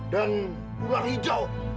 dan ular hijau